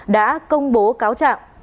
đã công bố cáo trạng